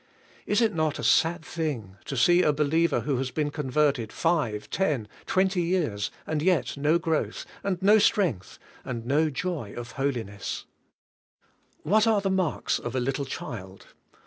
Is it not a sad thing to see a believer who has been converted five, ten, twenty years, and yet no growth, and no strength, and no joy of holiness? 10 CARNAL CHRISTIANS What are the marks of a little child?